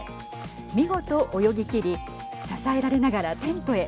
見事、泳ぎ切り支えられながらテントへ。